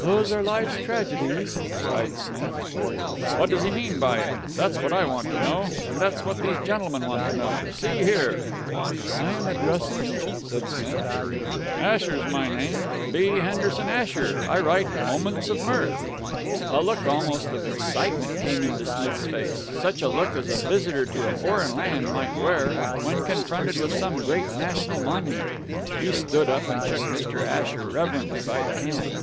"These are life's tragedies," sighed Smith. "What does he mean by it? That's what I want to know. And that's what these gentlemen want to know. See here " "I am addressing " said Smith. "Asher's my name. B. Henderson Asher. I write 'Moments of Mirth.'" A look almost of excitement came into Smith's face, such a look as a visitor to a foreign land might wear when confronted with some great national monument. He stood up and shook Mr. Asher reverently by the hand.